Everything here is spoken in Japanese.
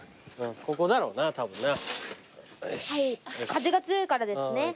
風が強いからですね。